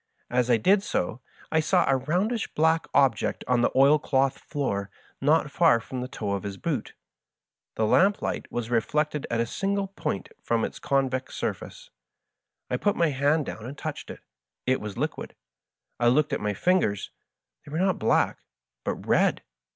As I did so I saw a roundish black object on the oil cloth floor not far from the toe of his boot. The lamp light was reflected at a single point from its convex surface. I put down my hand and touched it. It was liquid. I looked at my fingers — ^they were not black, but red.